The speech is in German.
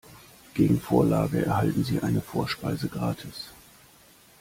Gegen Vorlage erhalten Sie eine Vorspeise gratis.